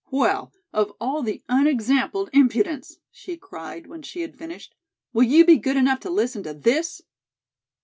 "Well, of all the unexampled impudence!" she cried when she had finished. "Will you be good enough to listen to this?